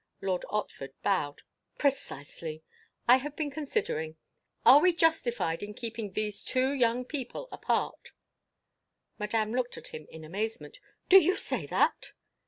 Lord Otford bowed. "Precisely. I have been considering. Are we justified in keeping these two young people apart?" Madame looked at him in amazement. "Do you say that?"